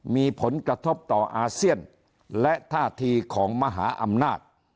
มีผลกระทบต่ออาเซียนและท่าทีของมหาอำนาจ